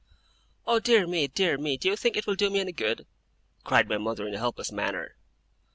'Oh dear me, dear me, do you think it will do me any good?' cried my mother in a helpless manner.